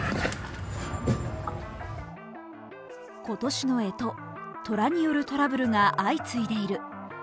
今年のえと、虎によるトラブルが相次いでいる。